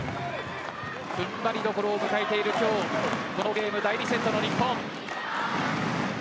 踏ん張りどころを迎えている今日このゲーム第２セットの日本。